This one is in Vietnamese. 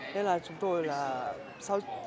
nên là chúng tôi là sau